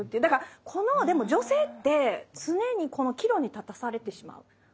だからこのでも女性って常にこの岐路に立たされてしまう。